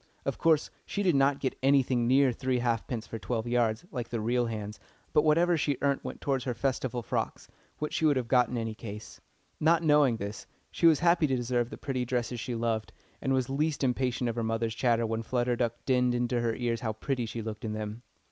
Of course she did not get anything near three halfpence for twelve yards, like the real "hands," but whatever she earnt went towards her Festival frocks, which she would have got in any case. Not knowing this, she was happy to deserve the pretty dresses she loved, and was least impatient of her mother's chatter when Flutter Duck dinned into her ears how pretty she looked in them.